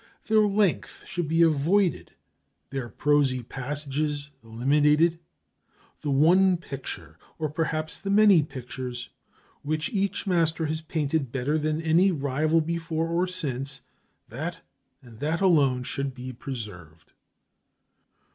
Their length should be avoided, their prosy passages eliminated; the one picture, or perhaps the many pictures, which each master has painted better than any rival before or since, that and that alone should be preserved.